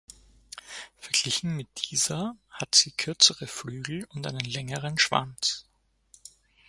Verglichen mit dieser hat sie kürzere Flügel und einen längeren Schwanz.